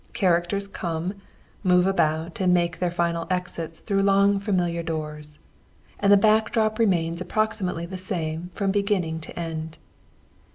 Characters come, move about and make their final exits through long familiar doors. And the back drop remains approximately the same from beginning to end.